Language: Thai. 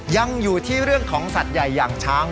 ยังอยู่ที่เรื่องของสัตว์ใหญ่อย่างช้าง